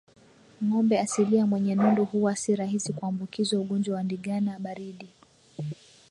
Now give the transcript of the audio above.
Ngombe asilia mwenye nundu huwa si rahisi kuambukizwa ugonjwa wa ndigana baridi